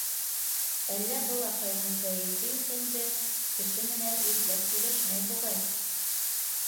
Әллә был апайҙың кәйефе юҡ инде? Кеше менән ипләп һөйләшмәй, буғай.